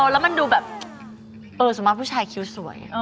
แล้วมันดูแบบเออสมมติผู้ชายคิ้วสวย